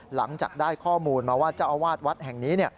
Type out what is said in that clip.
หลังจากได้ข้อมูลมาว่าเจ้าอาวาสวัดแห่งนี้